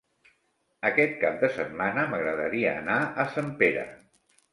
Aquest cap de setmana m'agradaria anar a Sempere.